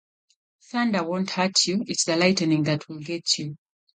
Thunder won't hurt you, it's the lightning that'll get you.